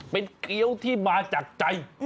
เป็นเกี้ยวที่มาจากใจ